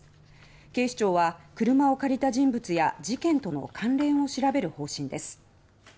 警視庁は車を借りた人物や事件との関連を調べる方針です。